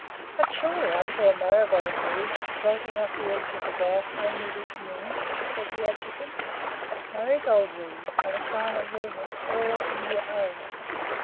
"But surely I saw Marigold wreaths floating off the edge of the Ghaut only this noon," said the Adjutant. Marigold wreaths are a sign of reverence all India over.